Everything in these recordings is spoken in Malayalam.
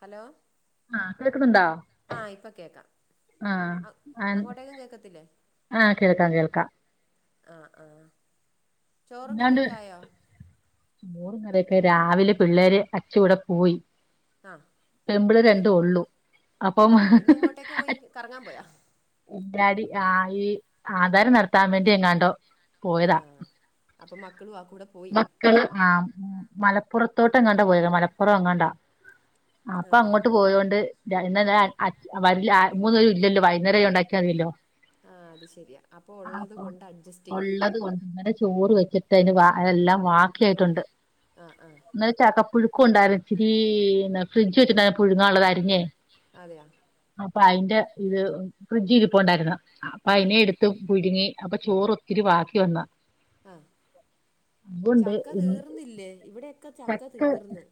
ഹലോ ആഹ് കേക്കുന്നുണ്ടോ ആ ഇപ്പൊ കേക്കാം അ ആഹ് അങ്ങോട്ടേക്കും കേക്കത്തില്ലേ ആഹ് കേൾക്കാം കേൾക്കാം ആഹ് ആഹ് ചോറും അല്ലാണ്ട് കറിയൊക്കെ ആയോ? ചോറും കറിയോക്കെ രാവിലെ പിള്ളേര് അച്ച കൂടെ പോയി ആഹ് പെമ്പിള്ളേര് അയി രണ്ടും ഉള്ളു അപ്പം ആഹ് ഇന്ന് എങ്ങോട്ടേക്ക് പോയി കറങ്ങാൻ പോയാ എന്താടി ആ ഈ ആധാരം നടത്താൻ വേണ്ടി എങ്ങാണ്ടോ ആ അപ്പൊ മക്കളും ആ കൂടെ പോയി മക്കൾ ആ മലപ്പുറത്തോട്ട് എങ്ങാണ്ടാ പോയതാ മലപ്പുറം എങ്ങാണ്ടാ അപ്പൊ ആഹ് അങ്ങോട്ട് പോയൊണ്ട് രണ്ടര വരില്ല മൂന്നു പേരും ഇല്ലല്ലോ വൈകുന്നേരം ഉണ്ടാക്കിയാ മതില്ലോ ആഹ് അത് ശരിയാ അപ്പൊ ഉള്ളത് ആപ്പൊ കൊണ്ട് അഡ്ജസ്റ്റ് ചെയ്യാം ഉള്ളത് കൊണ്ട് ചോറ് വെ ചിട്ട അതിന് വ എല്ലാം ബാക്കിയായിട്ടുണ്ട്. ആഹ് ആഹ് ഇന്ന് ചക്ക പുഴുക്കും ഉണ്ടായിരുന്നു ഇിത്തിരി ഫ്രിഡ്ജ് വെച്ചിണ്ടാരുന്നു പുഴുങ്ങാനുള്ളതായി അരിഞ്ഞേ അതെയ അപ്പൊ അതിന്റെ ഇത് ഫ്രിഡ്ജ് ഇരിപ്പോണ്ടായിരുന്നു അപ്പൊ ആഹ് അതിനെ എടുത്തും പുഴങ്ങി അപ്പൊ ചോറ് ഒത്തിരി ബാക്കി വന്ന ആ അതുകൊണ്ട് ചക്ക തീർന്നില്ലേ ഇവിടെയൊക്കെ ചക്ക തീർന്ന്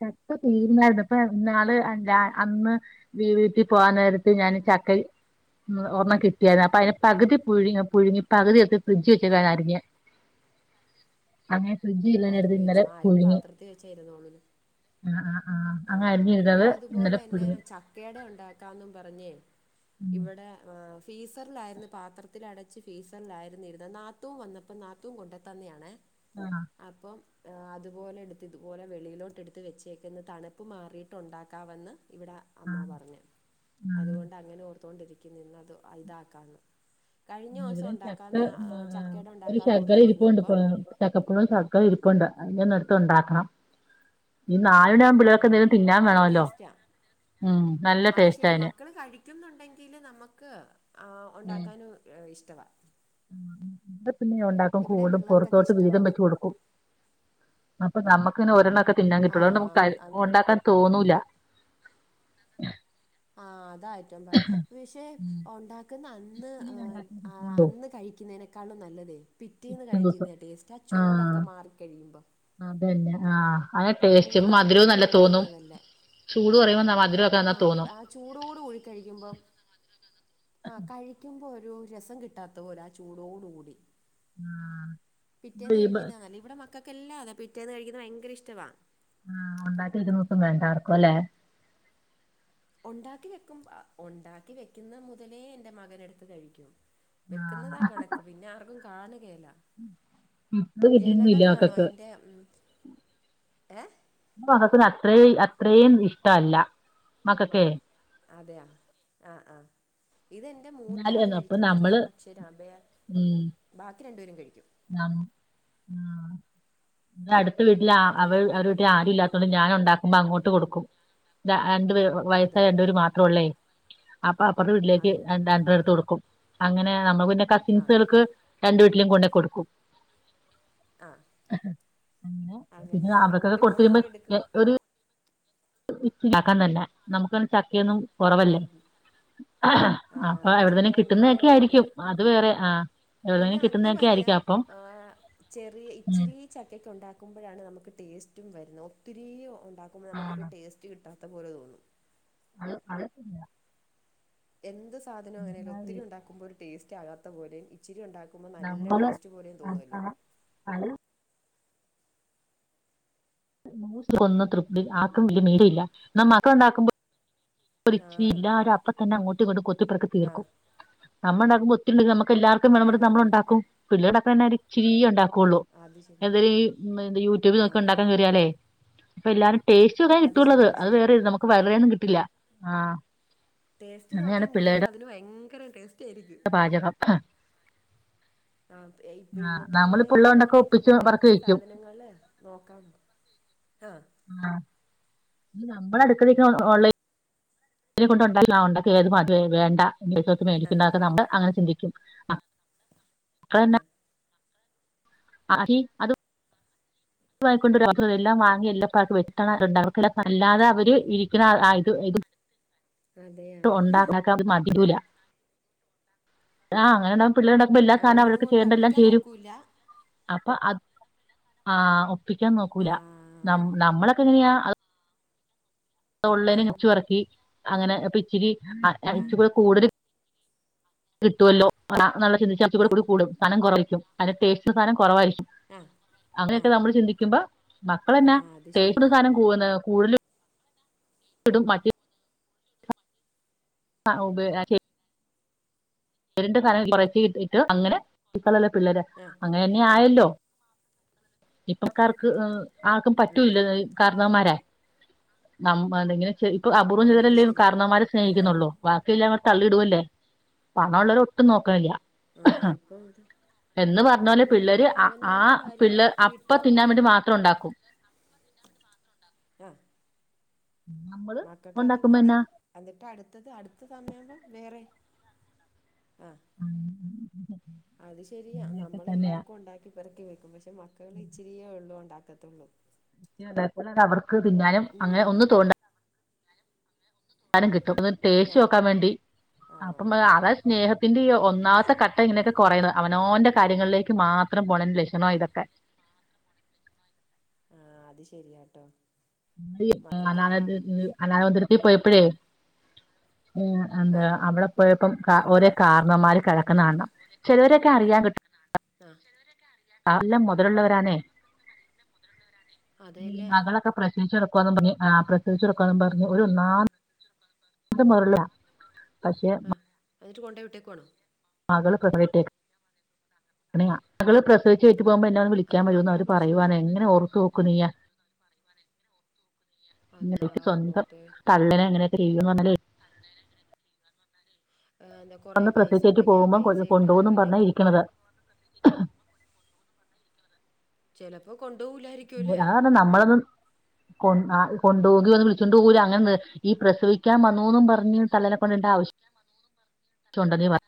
ചക്ക തീരുന്നായിരുന്നു അപ്പൊ ഇന്നാള് എല്ലാ അന്ന് വീട്ടിൽ പോകൻ നേരത്ത് ഞാൻ ചക്ക ഉ ഒരെണ്ണ കിട്ടിയായിരുന്നു അപ്പൊ അതിന് പകുതി പുഴി പുഴുങ്ങി പകുതിടുത്ത് ഫ്രിഡ്ജ് വെച്ച് അരിഞ്ഞ് അന്ന് ഫ്രിഡ്ജി അരിഞ്ഞു വെച്ചു ആഹ് അരിഞ്ഞു പാത്രത്തിൽ വെച്ചായിരുന്നുള്ളൂ. അഹ് ആഹ് ആഹ് ഇവിടെ അതുപോലെന്നെ ചക്കേടെ ഉണ്ടാക്കാന്നും പറഞ്ഞേ ഉം ഇവിടെ ആഹ് ഫ്രീസറിലായിരുന്നു പാത്രത്തിൽ അടച്ച് ഫ്രീസറിലായിരുന്നു ഇരുന്ന നാത്തൂൻ വന്ന അപ്പൊ നാത്തൂൻ കൊണ്ട് ത്തന്നയാണെ ആഹ് അപ്പം അതുപോലെ എടുത്ത് ഇതുപോലെ വെളിയിലോട്ട് എടുത്ത് വെച്ചേക്കുന്നതാണ് തണുപ്പ് മാറിട്ടുണ്ടാക്കാവെന്ന് ഇവിടെ ആ അമ്മ പറഞ്ഞു ആ അതുകൊണ്ട് അങ്ങനെ ഓർത്തോണ്ടിരിക്ക ക്കി നിന്നത് അതാക്കാന് കഴിഞ്ഞ ദിവസം ഇവിടെയും ചക്ക ഉണ്ടാക്കാൻ ഉം, ആ, ചക്കേട ഉണ്ടാക്കാൻ ഓർത്തിരുന്നപ്പം ചക്കപ്പഴും ചക്കേ ഇരിപ്പുണ്ട് അത് എടുത്തുണ്ടാക്കണം ഇനി നാലണി ആവുമ്പോ ആ പിള്ളേർക്കെന്തെങ്കിലും തിന്നാൻ നല്ല വേണമല്ലോ ടേസ്റ്റാ ഉം നല്ല ടേസ്റ്റ് അയിന് പറ്റുന്നുണ്ടെങ്കില് നമുക്ക് ആഹ് ഉണ്ടാക്കാനും ഇഷ്ട ടെ പിന്നെ ഉണ്ടാക്കും കൂടും പിള്ളേർക്കൊക്കെ പുറത്തോട്ട് ഇഷ്ടവാ വീതം അത് വെച്ച് കൊടുക്കും അപ്പ നമുക്ക് ഒരെണ്ണം ഒക്കെ തിന്നാൻ ആ കിട്ടുള്ളു ന അത് [inaudible] ഉണ്ടാക്കാൻ തോന്നൂല്ല ആഹ് അതായി ഏറ്റ പക്ഷെ ഉം ഉണ്ടാക്കുന്ന അന്ന് ഓ, അന്ന് കഴിക്കുന്നതിന് ക്കാളും നല്ലതേ പിറ്റേന്ന് പിറ്റേ ദിവസം കഴിക്കുന്നത ടേസ്റ്റ് ആ ചൂടൊക്കെ മാറിക്കഴിയുമ്പോൾ അതന്നെ ആ അതെ ടേസ്റ്റ് അപ്പോ അങ്ങനെ മധുരവും പിറ്റേന്ന് നല്ല തോന്നും കഴിക്കുന്നതാ നല്ലെ ചൂട് കുറയുമ്പോ മധുരമൊക്കെ എന്നാ ആ തോന്നും ആ ചൂടോട് കൂടി കഴിക്കുമ്പം ഇക്ക് എന്തോ ഒരു രസം കിട്ടാത്ത പോല ആ ചൂടോടു കൂടി ആഹ് പിറ്റേന്ന് കഴിക്കുന്നല്ല ഇവിടെ മക്കൾക്കെല്ലാ അതാ പിറ്റേന്ന് കഴിക്കുന്നത് ഭയങ്കര ഇഷ്ടമാണ് ആ [unintelligible] ഒണ്ടാക്കി [unintelligible] ഇത് വേണ്ടർക്കുംല്ലേ ഉണ്ടാക്കി വെക്കും ഉണ്ടാക്കി വെക്കുന്ന മുതലേ എന്റെ മകനെടുത്ത് കഴിക്കും ആ വെക്കുന്നതാ കണക്ക് പിന്നെ ആർക്കും കാണുകേല അത് കിട്ടുന്നില്ല എലകളിലാണോ മക്കക്ക് അയിൻ്റെ ഉം എ മകത്തിന് അത്ര അത്രയും ഇഷ്ടല്ല മക്കക്കെ അതെയ ആ ആ ഇതെന്നെ എന്റെ മൂത്ത ആള് എന്നാലും അപ്പൊ കഴിക്കത്തില്ല നമ്മള് പക്ഷെ രാബയ ഉം ബാക്കി രണ്ടു പേരും കഴിക്കും ആഹ് വിടെ അടുത്ത വീട്ടില് ആ അപ്പൊ അവരുടെ നമുക്ക് വീട്ടിൽ കഴിക്കാലോ ആരും ഇല്ലാത്തൊണ്ട് ഞാൻ ഉണ്ടാ അങ്ങോട്ട് കൊടുക്കും രണ്ട് പേര് വയസ്സായ അതെയാ രണ്ടുപേര് മാത്രോള്ളേ അപ്പ അപ്പറത്തെ വീട്ടിലേക്ക് അതെയാ രണ്ട് എടുത്ത് കൊടുക്കും അങ്ങനെ നമ്മള് പിന്നെ ആ കസിൻസുകൾക്ക് രണ്ട് വീട്ടിലും കൊണ്ടയ് കൊടുക്കും. [inaudible] അങ്ങനെ പിന്നെ അവർക്കത് അങ്ങോട്ടും ഇങ്ങോട്ടും കൊടുത്തിരുമ്പോ ഒക്കെ എടുക്കും ഒര് [unintelligible] [unintelligible] നമുക്കത് ചക്കയൊന്നും കൊറവല്ലേ അഹ് അപ്പൊ എവിട്ന്നേലും ഉണ്ടെങ്കിലേ കിട്ടുന്നക്കെ ഉള്ളൂ ആയിരിക്കും അത് വേറെ ആഹ് പിന്നെ അതു വല്ല ആഹ് ചെറിയ ഉം ഇച്ചിരി ഈ ചക്കൊക്കെ ഉണ്ടാക്കുമ്പോഴാണ് നമുക്ക് ടേസ്റ്റും വരുന്നത് ഒത്തിരിയ ഉണ്ടാക്കുമ്പോൾ നമുക്ക് ഒരു ആഹ് ടേസ് റ്റ് കിട്ടാത്ത പോലെ തോന്നും. അത് അത് ഇല്ല എന്ത് സാധന അങ്ങനോലും ഒത്തിരി ഉണ്ടുമ്പോ ഒരു ടേസ്റ്റ് ആകാത്ത പോലേം ഇച്ചിരി ഇണ്ടാക്കു ക്കുമ്പോ നല്ല നമ്മള് ടേസ്റ്റ് പോലെ അത് തോന്നുമല്ലോ അത് കു ഒന്നു തൃപ്തി ആക്ക [unintelligible] ന്ന മക്ക ഉണ്ടാക്കുമ്പോ കു ആ ഇല്ലാരും അപ്പ തന്നെ അങ്ങോട്ടും ഇങ്ങോട്ടും കൊത്തിപ്പെറക്കി ആ തീർക്കും അമ്മ ഇണ്ടകു ക്ക്ണ്ടെങ്കി നമക്ക് എല്ലർക്കും ആ വേണ നമ്മള് ഇണ്ടാക്കും പിള്ളീടൊക്കെന്നെ ഇച്ചിരി ഇണ്ടാക്കുകുള്ളൂ. അത് ശരി എന്തേലും യൂട്യൂബിൽ ആ നോക്കി ആ ഉണ്ടാക്കാൻ കേറിയാലെ അപ്പൊ എല്ലാരും ടേസ്റ്റ് ഒന്ന കിട്ടുള്ളത് അത് വേറെ നമുക്ക് വളറെയൊന്നും കിട്ടില്ല ആഹ് ടേസ്റ്റ് അങ്ങനെയാണ് നോക്കാൻ കിട്ടിയാല പിള്ളേരുടെ അതിന് ഭയങ്കര ടേസ്റ്റ് ആയിരിക്കും. [unintelligible] ആ ഇപ്പ ആഹ് ഇന്നത്തെ നമ്മളിപ്പോ പിള്ളേര് ഉള്ളോണ്ടൊക്കെ അങ്ങനത്തെക്കെ ഒപ്പിച്ച് പറക്കി വെറൈറ്റി വെക്കും സാധനങ്ങള് നോക്കാം ആഹ് ആ നമ്മളടുക്ക നിക്ക ഓൺലൈൻ അ കൊണ്ട്ണ്ട ആ ഉണ്ടൊക്കെഏതും അത് വേണ്ട ആ മേടിക്കുന്നതൊക്കെ നമ്മ അങ്ങനെ ചിന്തിക്കും. ആ അന്നെ ആടി അത് ണ്ട് എല്ലാം വാങ്ങി എല്ലപ്പ വെട്ടണണ്ട് അവർ അല്ലാതെ അവര് ഇരിക്കുന്ന ഇ. അതെയാ ഉണ്ടാക്കാൻ അത് മതിയൂല ആഹ അങ്ങനെണ്ടാവും പിള്ളേണ്ട എല്ലാ ആ സാധനം ഒന്നു അവക്കെ കൊണ്ട് ചെയ്യണ്ടെല്ലാം ഒപ്പിക്കാൻ ചേരും നോക്കൂല്ല അപ്പൊ അത് ആ ഒപ്പിക്കാൻ നോക്കൂല ആ ന നമ്മളൊക്കെ എങ്ങനെയാ ആ തള്ളേന ഇച്ചു ഉറക്കി അങ്ങനെ ഇച്ചിരി ആ അച്ച കൂടുതൽ കിട്ടുമല്ലോ പറ എന്നുള്ള ആ ചിന്തിച്ച് കൂടും സധം കുറവും അതിന്റെ ടേസ്റ്റ് സധനം കുറവായിരിക്കും. ആ ആ അങ്ങനെയൊക്കെ നമ്മൾ ചിന്തിക്കുമ്പോ ആ മക്കളന്നെ അത് ടേസ്റ്റ് ശരിയാ സധനം കൂ കൂടുതൽ ഇടും മാറ്റി. ആ ഉ [unintelligible] ണ്ട്നം കുറച്ച ഇട്ട് അങ്ങനെക്കളല്ല പിള്ളേര് ആ ആ അങ്ങനെ ഇ ആയല്ലോ ഇപക്കാർക്ക് ആർക്കും ആ പറ്റൂല്ല. കർണവന്മാര നമ്മ എന്തെ ഇപ്പൊ അപൂർവം അത് ചെലരല്ലേ ശരിയാ കർണവമാര് സ്നേഹിക്കുന്നുള്ളൂ ബാക്കിെല്ലാം അവടെ തള്ളി ഇടവല്ലേ പണ ഉള്ളവരെ ഒട്ടും നോക്കാനില്ല ആഹ ഇപ്പൊ ഇത് എന്ന് പറഞ്ഞ പോലെ പിള്ളേര് ആ കാര്യം പിള്ളേ അപ്പ തിന്നാൻ വേണ്ടി മാത്രം ഉണ്ടാക്കും അ പിന്ന മാത്ര ഉണ്ടാക്കും അഹ് നമ്മള് മക്കക്കെ അത് ഉണ്ടാക്കുമ്പോ മതി എന്നാ എന്നിട്ട് അടുത്തത് അടുത്ത സമയവുമ്പം വേറെ ആഹ് ഉം അത് ശരിയാ അങ്ങനെയൊക്കെ തന്നെയാ നമ്മളെല്ലാവർക്കും ഉണ്ടാക്കി പിറക്കി വെക്കും പക്ഷെ മക്കൾ ഇച്ചിരിയേ ഉള്ളു ഉണ്ടാക്കത്തുള്ളൂ. അതേപോലെ അവർക്ക് തിന്നാലും അങ്ങനെ ഉം ഒന്ന് തോണ്ട സാനം കിട്ടും ഒന്ന് ആ ടേസ്റ്റ് നോക്കാൻ വേണ്ടി ആ അപ്പം അതാ സ്നേഹത്തിന്റെ ഈ ഒന്നാമത്തെ കട്ട ഇങ്ങനെയൊക്കെ കുറയുന്നത് അവനവന്റെ കാര്യങ്ങളിലേക്ക് മാത്രം. മാത്രം പോണെൻ്റെ ലക്ഷണാ ഇതൊക്കെ ആഹ അത് ശരിയാട്ടോ അ മക്കൾക്കെല്ലാ അനാല [unintelligible] ആ പോയപ്പഴേ ആ എന്താ അവിടെ പോയപ്പോം ഓരോ കാരണന്മാര് കിടക്കുന്ന കാണം ചിലവരൊക്കെ അറിയാൻ കിട്ടും ആഹ് എല്ലാം മുതലുള്ളവരാണ് ഈ അതെല്ലേ മകളൊക്കെ പ്രസവിച്ചെടുക്കും പറഞ്ഞഞ് ആ പ്രസവിച്ചെടുക്കുകും പറഞ്ഞഞ് ഒരു ഒന്നാ അ മറില്ല പക്ഷെ ആ എന്നിട്ട് കൊണ്ടോയി വിട്ടേക്കുവാണ് മകൾ [unintelligible] മകൾ പ്രസവിച്ച് കേട്ടി പോകുമ്പോ എന്നന്ന് വിളിക്കാൻ അവര് മകള് വരൂന്ന് പറയുവാന പ്രസവിച്ച് എങ്ങനെ ഓർത്തു വെക്കും നീയെ അള്ളാ ക്ക് സ്വന്തം ഓർത്തേ തള്ളനെ ഇങ്ങനെയൊക്കെ ചെയ്ന്നോരെ എന്താ കുറേ ഒന്ന് പൈസ പ്രസവിച്ചേറ്റ് ഉണ്ടെങ്കിൽ ആ പോകുമ്പോ പൈസ ഇല്ലോ കൊണ്ടുപോകുന്നും പറഞ്ഞാ അല്ലെങ്കിൽ ഇരിക്കണത് ചിലപ്പോ കൊണ്ടുപോലായിരിക്കും ഞാപറഞ്ഞ് നമ്മളൊന്നും കൊ കൊണ്ടുപോകി വന്ന് വിളിച്ചുണ്ട് പോകില്ല അങ്ങനെണ്ട് ഈ പ്രസവിക്കാൻ വന്നൂന്ന് പറഞ്ഞ് തള്ളനെ കൊണ്ടിണ്ട ആവശ്യ [unintelligible]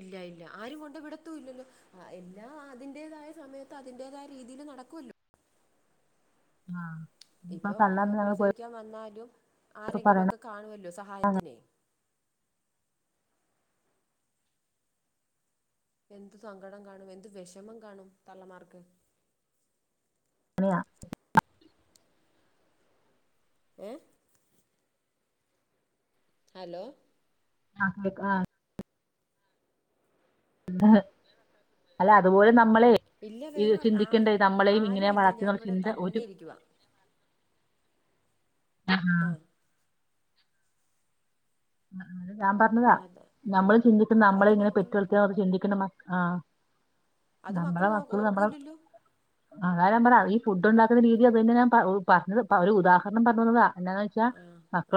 ഇല്ല ഇല്ല ആരും കൊണ്ട് വിടത്തും ഇല്ലല്ലോ ആ എല്ലാം അതിന്റേതായ സമയത്ത് അതിറേതായ രീതിൽ നടക്കല്ലോ? ആഹ ഇപ്പം പ്രസവിക്കാൻ വന്നാലും പോയപ്പോ പറയണ ആരെങ്കിലുമൊക്കെ കാണുമല്ലോ സഹായത്തിന്. എന്ത് സങ്കടം കാണും എന്ത് വിഷമം കാണും തള്ളമാർക്ക്. അനെയ ഏ ഹലോ? ആഹ ആ അല്ല അതുപോലെ നമ്മളെ ഇല്ല ഇത് വേറെ വ ആ ചിന്തിക്കണ്ടേ നമ്മളെയും ഇങ്ങനെ ആരും ഇല്ല ഞാൻ വളർത്തിന്നുള്ള ഇവിടെ ചിന്ത ഒരു തന്നെ ഇരിക്കുവ. ആ ആ ആ അതത് ഞാൻ പറഞ്ഞതാ അതാ നമ്മളും ചിന്തിക്കുന്ന നമ്മളെ അത് ഇങ്ങനെ മക്കള് പെറ്റുളത്തിയോ അത് ചിന്തിക്കേണ്ട മ ആഹ അത് മക്കൾ നോ ഓർക്കൂല്ലല്ലോ? അതായാല നമ്മടെ ഈ ഫുഡ് ഉണ്ടാക്കുന്ന രീതി അത് തന്നെ ഞാ പറഞ്ഞത് ഒരു ഉദാഹരണം പറഞ്ഞുന്നതാ. എന്താന്ന് വെച്ചാൽ ആ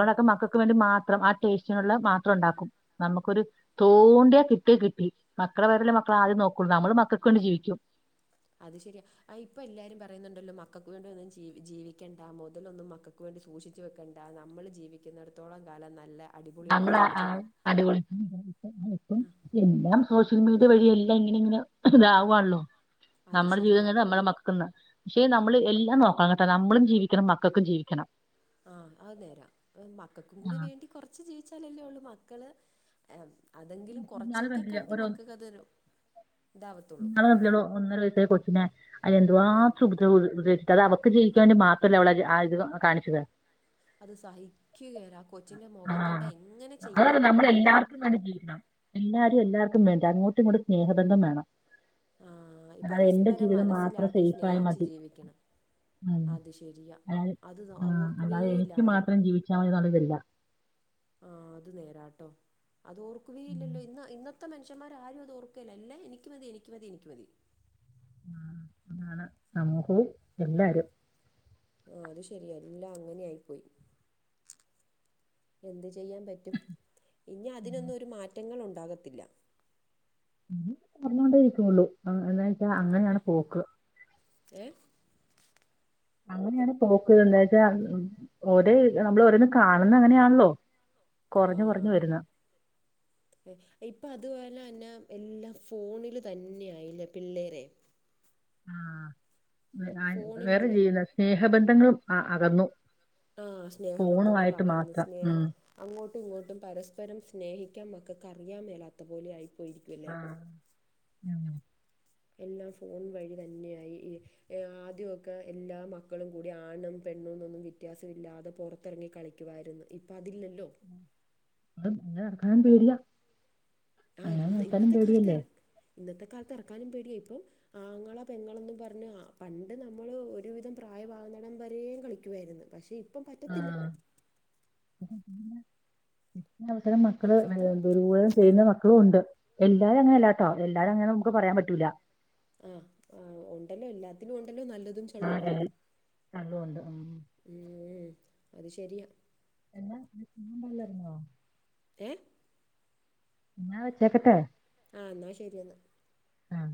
ആ മക്കൾക്ക് വേണ്ടി മാത്രം ആ ടേസ്റ്റിനുള്ള മാത്രം ഉണ്ടാക്കും. നമുക്കൊരു തോണ്ടിയ കിട്ടിയ കിട്ടി മക്കളെ വേരെല്ലേ മക്കളെ ആദ്യം നോക്കൂ നമ്മള് മക്കൾക്ക കൊണ്ട് ജീവിക്കും അത് ശരിയാ ഇപ്പൊ എല്ലാരും പറയുന്നുണ്ടല്ലോ മക്കൾക്ക് വേണ്ട ഒന്നും ജീവിക്കേണ്ട മുതലൊന്നും മക്കൾക്ക് നക്ക് വേണ്ടി സൂക്ഷിച്ചച്ച് വെക്കണ്ട നമ്മൾ ജീവിക്കുന്നിടത്തോളം കാലം നല്ല അടിപൊളിയായിട്ട് നമ്മളാ ആ ജീവിച്ചോളാം അടിപൊളി ആ എല്ലാം സോഷ്യൽ മീഡിയ വഴിയ എല്ലാം ഇങ്ങനെ ഇങ്ങനെ ഇതാവുവാണല്ലോ അത് നമ്മുടെ ശരിയാ ജീവിതം നമ്മളുടെ മക്കക്കന്ന്. പക്ഷെ നമ്മള് എല്ലാം നോക്കാം കേട്ടോ നമ്മളും ജീവിക്കണം. മക്കൾക്കും ജീവിക്കണം. ആഹ് അത് നേരാം മക്കൾക്കും ആ കൂടെ വേണ്ടി കൊറച്ച് ജീവിച്ചാലല്ലേ ഉള്ളൂ മക്കള് ഈ അതെങ്കിലും ഇന്നാള് കൊറച്ചൊക്കെ കണ്ടില്ലേ കണ്ട് മക്ക് കഥനും നാളെ ഒന്നര വയസ കൊച്ചെ അ ആ എന്തുവാത്ര ഉദ്ദേശിച്ചട്ട് അത് അവർക്ക് ജീയിക്കാ വേണ്ടി മാത്രമല്ല അവള ഇത് കാണിച്ചത്. അത് സഹിക്കുകയരാ കൊച്ചിന്റെ ആ മുഖം കണ്ട എങ്ങനെ ചെയ്യാൻ തോന്നുന്നു. [unintelligible] എല്ലാരും എല്ലാർക്കും വേണ്ട അങ്ങട്ടും കൂടി സ്നേഹബന്ധം വേണം. ആ അല്ലാതെ എൻ്റെ പരസ്പരം ജീവിതം മാത്രം മനസ്സിലാക്കി സേഫായി സ്നേഹിച്ചു മതി ജീവിക്കണം. ഉം. അത് ശരിയാ അതായത് അത് ആ, ഓർക്കുവേ അല്ലാതെ എനിക്ക് ഇല്ലാരും. മാത്രം ജീവിച്ചാൽ മതി എന്നുള്ളതില്ല ആ അത് നേരാട്ടോ അത്ഓർക്കുകേ ഉം. ഇല്ലല്ലോ ഇന്ന് ഇന്നത്തെ മത്ത മനഷ്യന്മാരും അത് ഓർക്കല്ല എനിക്ക് മതിനിക്ക് മതി എനിക്ക് മതി. ആ അതാണ് നമുക്ക് പോയി എല്ലാരും ആഹ് അത് ശരിയ എല്ലാം അങ്ങനെ ആയി പോയി എന്ത് ചെയ്യാൻ പറ്റും ഇനി അതിനൊന്നും ഒരു മാറ്റങ്ങൾ ഉണ്ടാകത്തില്ല. പറഞ്ഞോണ്ടേ ഇരിക്കോളൂ ആഹ് അതെ ആഹ് അതെ ഏഹ് അങ്ങനെയാണ് പോക്ക്ത് എന്താച്ചാൽ ഓര് നമ്മളോരോന്ന് കാണുന്ന അങ്ങനെയാണല്ലോ കുറഞ്ഞു കുറഞ്ഞു ആഹ് വരുന്നു ഏഹ് ഇപ്പൊ അതുപോലന്നാ എല്ലാം ഫോണില് തന്നെയായില്ലേ പിള്ളേരെ ആഹ് വെ ആ വേറെ ഫോണിലുള്ള ജീവിത സ്നേഹബന്ധങ്ങളും ആ അകന്നു ആ ഫോണുമായിട്ട് സ്നേഹബന്ധങ്ങളകന്ന് മാത്രം ഉം സ്നേഹം അങ്ങോട്ടും ഇങ്ങോട്ടും പരസ്പരം സ്നേഹിക്കാൻ മക്കക്കറിയാൻ മേലാത്ത പോലെയായി ആഹ് എല്ലാം ഫോൺ വഴി തന്നെയായി ഈ ഏഹ് ആദ്യമൊക്ക എല്ലാ മക്കളും കൂടി ആണും പെണ്ണുംന്നൊന്നും വ്യത്യാസയില്ലാതെ പൊറ ത്തെറങ്ങി കളിക്കുവാരുന്ന് ഇപ്പ അതില്ലല്ലോ? എറങ്ങാൻ പേടിയാ ആഹ് അങ്ങനെ ഇന്ന് നോക്കാനും ഇന്നത്തെ കാലത്ത് എറ പേടിയല്ലേ ഇന്നത്തെ കാലത്ത് എറക്കാനും പേടിയ ഇപ്പം ആങ്ങള പെങ്ങളെന്നും പറഞ്ഞ് അഹ് പണ്ട് നമ്മള് ഒരുവിധം പ്രായമാവുന്നെടം വരേം കളി ക്കുവായിരുന്ന് പക്ഷെ ഇപ്പം പറ്റത്തില്ല പി ഇത്തരം മക്കള് ഇപ്പോഴത്തെ ദുരു ചെയ്യുന്ന മക്കളും ഉണ്ട് എല്ലാരും അങ്ങനെയല്ലാട്ടോ എല്ലാരും അങ്ങനെ നമുക്ക് പറയാൻ പറ്റൂല. ആഹ് ആഹ് ഉണ്ടല്ലോ എല്ലാത്തിനും ഉണ്ടല്ലോ നല്ലതും ചള്ളും [unintelligible] ഏഹ് അത് ശരിയാ എന്നാ നല്ലാരുന്നൊ ഏഹ് ന്നാ വെച്ചേക്കട്ടെ ആഹ് എന്നാ ശരിയെന്നാ ആഹ്